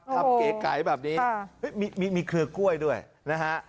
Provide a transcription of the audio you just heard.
เก๋ไก่แบบนี้มีเครือกล้วยด้วยนะฮะ